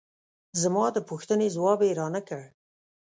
زما د پوښتنې ځواب یې را نه کړ.